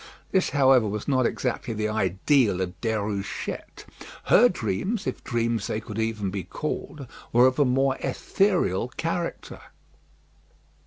This, however, was not exactly the ideal of Déruchette. Her dreams, if dreams they could even be called, were of a more ethereal character.